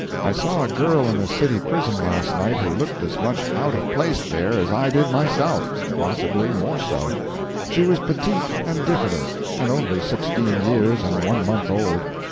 I saw a girl in the city prison last night who looked as much out of place there as I did myself—possibly more so. She was petite and diffident, and only sixteen years and one month old.